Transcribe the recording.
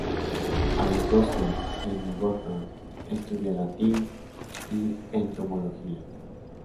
A los doce, en Milwaukee estudia latín, y entomología.